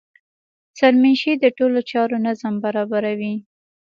سرمنشي د ټولو چارو نظم برابروي.